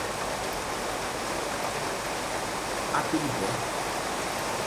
Aperibé